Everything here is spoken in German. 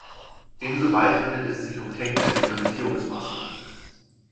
Insoweit handelt es sich um technische Implementierungsmaßnahmen.